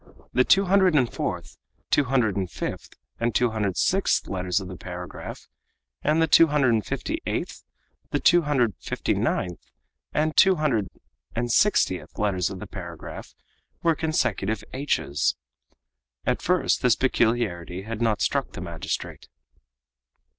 The two hundred and fourth, two hundred and fifth, and two hundred and sixth letters of the paragraph, and the two hundred and fifty eight, two hundred and fifty ninth, and two hundred and sixtieth letters of the paragraph were consecutive h's. At first this peculiarity had not struck the magistrate.